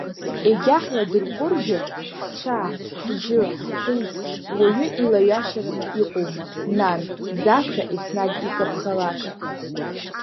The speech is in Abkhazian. Егьа ҳладырҟәыргьы, ҳцәа-ҳжьы, ҳҭеиҭԥш уаҩы илаҩашьараны иҟоума, нан, зашәа еснагь икаԥхалаша!